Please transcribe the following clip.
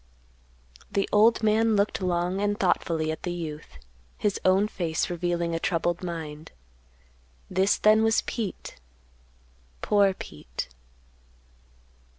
The old man looked long and thoughtfully at the youth, his own face revealing a troubled mind. This then was Pete, Poor Pete.